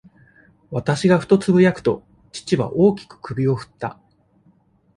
私がふとつぶやくと、父は、大きく首をふった。